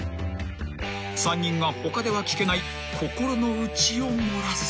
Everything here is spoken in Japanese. ［３人が他では聞けない心の内を漏らす］